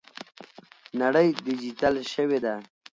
نړۍ ډیجیټل شوې ده.